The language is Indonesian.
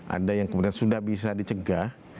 ada yang kemudian sudah bisa dicegah